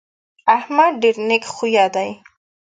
احمد ډېر نېک خویه دی.